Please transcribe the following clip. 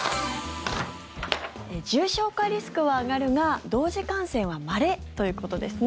重症化リスクは上がるが同時感染はまれということです。